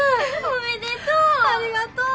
おめでとう！